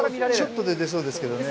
ちょっと出そうですけどね。